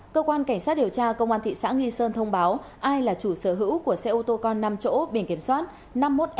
cơ quan cảnh sát điều tra công an thị xã nghi sơn thông báo ai là chủ sở hữu của xe ô tô con năm chỗ biển kiểm soát